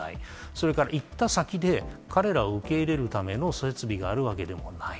それから行った先で、彼らを受け入れるための設備があるわけでもない。